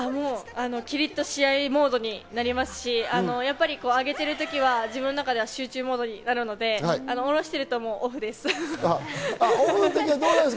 キリっと試合モードになりますし、上げているときは自分の中では集中モードになるのでおろしていると、もうオフです。